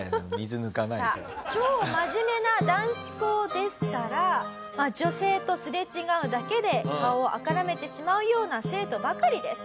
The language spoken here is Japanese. さあ超真面目な男子校ですから女性とすれ違うだけで顔を赤らめてしまうような生徒ばかりです。